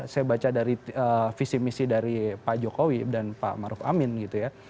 saya baca dari visi misi dari pak jokowi dan pak maruf amin gitu ya